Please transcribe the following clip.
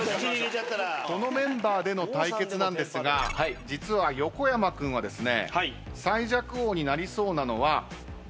このメンバーでの対決なんですが実は横山君はですね。